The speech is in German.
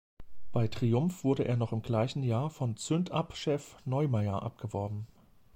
Bei Triumph wurde er noch im gleichen Jahr von Zündapp-Chef Neumeyer abgeworben.